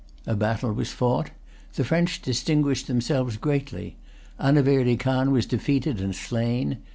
A battle was fought. The French distinguished themselves greatly. Anaverdy Khan was defeated and slain.